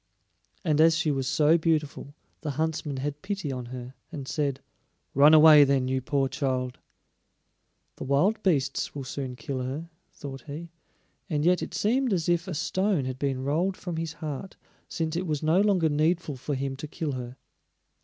And as she was so beautiful the huntsman had pity on her and said: "Run away, then, you poor child." The wild beasts will soon kill her, thought he; and yet it seemed as if a stone had been rolled from his heart, since it was no longer needful for him to kill her.